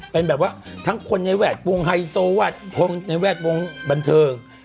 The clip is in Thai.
เป็นแบบว่าทั้งคนในแวดวงไฮโซแวดวงในแวดวงบันเทิง